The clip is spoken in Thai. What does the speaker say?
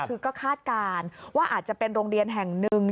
คือก็คาดการณ์ว่าอาจจะเป็นโรงเรียนแห่งหนึ่ง